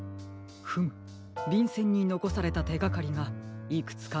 フムびんせんにのこされたてがかりがいくつかみつかりましたよ。